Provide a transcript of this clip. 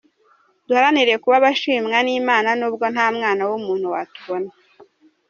Duharanire kuba abashimwa n’Imana n’ubwo nta mwana w’umuntu watubona.